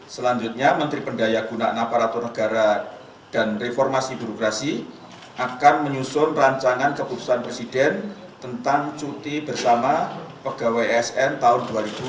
selanjutnya menteri pendaya gunaan aparatur negara dan reformasi birokrasi akan menyusun rancangan keputusan presiden tentang cuti bersama pegawai asn tahun dua ribu dua puluh